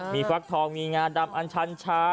มีฟักทองมีงาดำอันชันชา